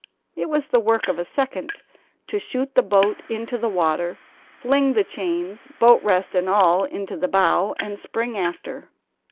It was the work of a second to shoot the boat into the water, fling the chains, boat rest and all into the bow, and spring after.